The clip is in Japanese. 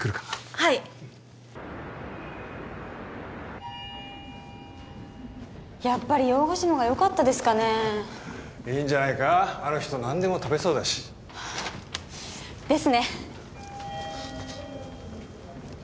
はいやっぱり洋菓子のほうがよかったですかねいいんじゃないかあの人何でも食べそうだしですね